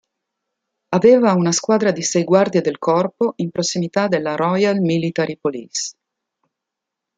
Aveva una squadra di sei guardie del corpo in prossimità della Royal Military Police.